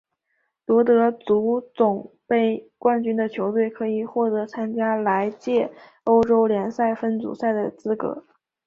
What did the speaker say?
夺得足总杯冠军的球队可以获得参加来届欧洲联赛分组赛的资格。